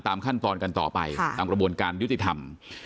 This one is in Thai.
ขั้นตอนกันต่อไปตามกระบวนการยุติธรรม